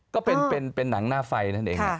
ก็เป็นหนังหน้าไฟนั่นเอง